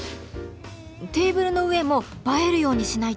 テーブルの上もばえるようにしないと。